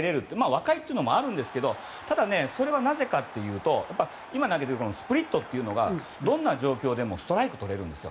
若いというのもあるんですけどただ、それはなぜかというと投げていたスプリットというのがどんな状況でもストライクをとれるんです。